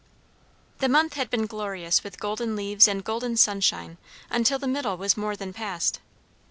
The month had been glorious with golden leaves and golden sunshine, until the middle was more than past.